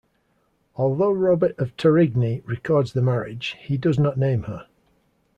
Although Robert of Torigny records the marriage, he does not name her.